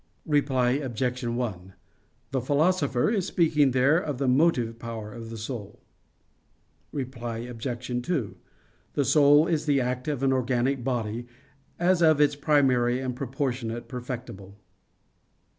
Reply Obj. 1: The Philosopher is speaking there of the motive power of the soul. Reply Obj. 2: The soul is the act of an organic body, as of its primary and proportionate perfectible.